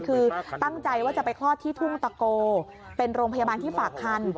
คือตั้งใจว่าจะไปคลอดที่ทุ่งตะโกเป็นโรงพยาบาลที่ฝากคัน